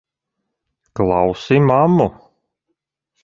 Klausi mammu!